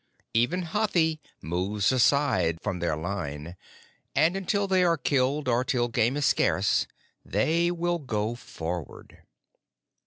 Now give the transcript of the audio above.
Even Hathi moves aside from their line, and until they are killed, or till game is scarce, they will go forward.